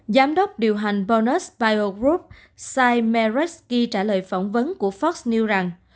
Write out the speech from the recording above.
giám đốc điều hành bonus bio group sai meresky trả lời phỏng vấn của fox news rằng